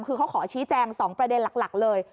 คือเขาขอชี้แจง๒ประเด็นหลักเลย